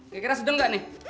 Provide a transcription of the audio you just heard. kira kira sedang nggak nih